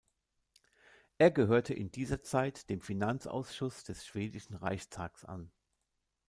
Er gehörte in dieser Zeit dem Finanzausschuss des schwedischen Reichstags an.